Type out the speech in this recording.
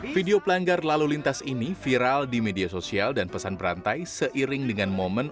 video pelanggar lalu lintas ini viral di media sosial dan pesan berantai seiring dengan momen